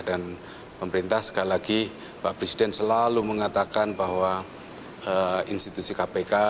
dan pemerintah sekali lagi pak presiden selalu mengatakan bahwa institusi kpk adalah